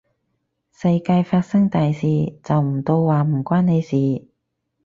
世界發生大事，就唔到話唔關你事